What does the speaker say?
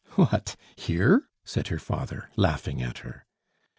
"What here?" said her father, laughing at her.